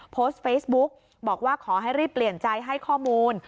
โพสต์เฟซบุ๊กบอกว่าขอให้รีบเปลี่ยนใจให้ข้อมูล